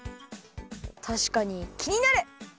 たしかにきになる！